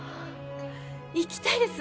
行きたいです